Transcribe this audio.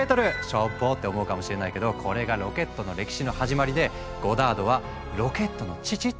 「しょぼ！」って思うかもしれないけどこれがロケットの歴史の始まりでゴダードは「ロケットの父」って呼ばれている。